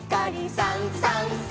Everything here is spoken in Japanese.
「さんさんさん」